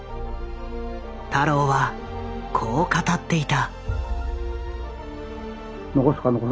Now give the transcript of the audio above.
太郎はこう語っていた。